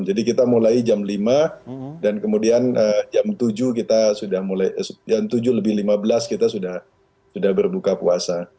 jadi kita mulai jam lima dan kemudian jam tujuh lebih lima belas kita sudah berbuka puasa